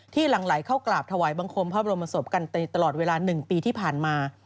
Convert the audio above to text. หลังไหลเข้ากราบถวายบังคมพระบรมศพกันในตลอดเวลา๑ปีที่ผ่านมา